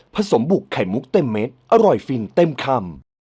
สมบุกไข่มุกเต็มเม็ดอร่อยฟินเต็มคำ